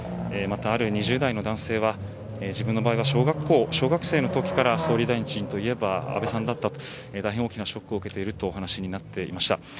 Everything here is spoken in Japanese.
ある２０代の男性は自分の場合は小学生のときから総理大臣といえば安倍さんだったと大変大きなショックを受けていると話していました。